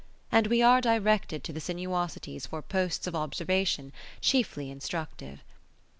And we are directed to the sinuosities for posts of observation chiefly instructive.